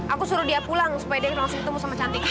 aku suruh dia pulang supaya dia langsung ketemu sama cantik